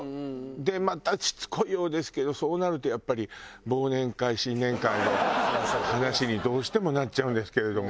でまたしつこいようですけどそうなるとやっぱり忘年会新年会の話にどうしてもなっちゃうんですけれども。